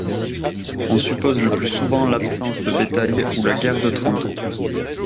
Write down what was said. On suppose le plus souvent l'absence de bétail ou la guerre de Trente Ans.